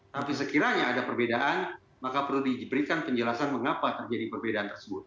tapi sekiranya ada perbedaan maka perlu diberikan penjelasan mengapa terjadi perbedaan tersebut